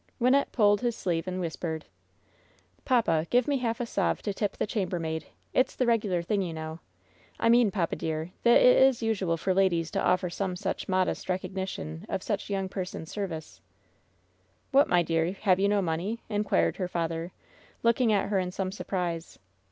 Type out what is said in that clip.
Wynnette pulled his sleeve and whispered : "Papa, give me half a sov. to tip the chambermaid. It's the regular thing, you know. I mean, papa, dear, that it is usual for ladies to offer some such modest rec ognition of such young persons' services." "What, my dear, have you no money ?" inquired her father, looking at her in some surprise.